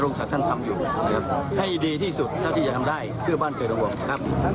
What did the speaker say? นรงศักดิ์ท่านทำอยู่นะครับให้ดีที่สุดเท่าที่จะทำได้